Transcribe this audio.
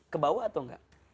kebawa atau tidak